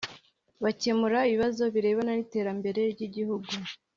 Bakemura ibibazo birebana n’iterambere ry’Igihugu